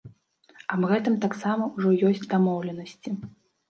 Аб гэтым таксама ўжо ёсць дамоўленасці.